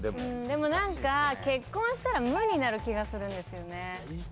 でもなんか結婚したら「無」になる気がするんですよね。